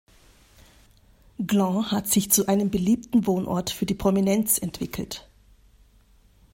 Gland hat sich zu einem beliebten Wohnort für die Prominenz entwickelt.